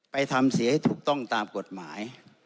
ทำเสียให้ถูกต้องตามกฎหมาย